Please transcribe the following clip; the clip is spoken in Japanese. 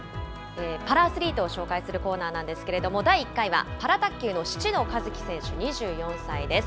パラアスリートを紹介するコーナーなんですけれども、第１回はパラ卓球の七野一輝選手２４歳です。